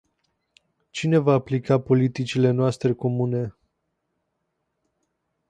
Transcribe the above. Cine va aplica politicile noastre comune?